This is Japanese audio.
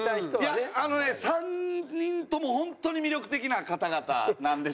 いやあのね３人ともホントに魅力的な方々なんですけども。